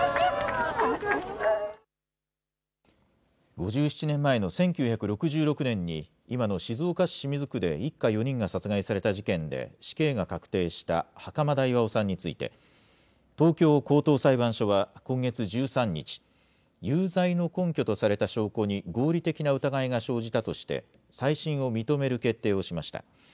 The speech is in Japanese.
５７年前の１９６６年に、今の静岡市清水区で一家４人が殺害された事件で死刑が確定した袴田巌さんについて、東京高等裁判所は今月１３日、有罪の根拠とされた証拠に合理的な疑いが生じたとして、再審を認める決定をしました。